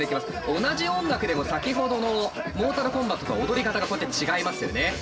同じ音楽でも先ほどのモータルコンバットとは踊り方がこうやって違いますよね。